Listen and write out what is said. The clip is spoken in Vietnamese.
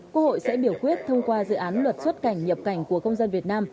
quốc hội sẽ biểu quyết thông qua dự án luật xuất cảnh nhập cảnh của công dân việt nam